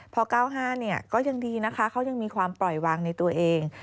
พอ๙๕ก็ยังดีนะคะเขายังมีความปล่อยวางในตัวเอง